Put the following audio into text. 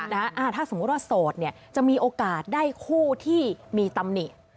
ถ้าสมมุติว่าโสดเนี่ยจะมีโอกาสได้คู่ที่มีตำหนิ